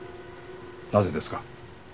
なぜですか？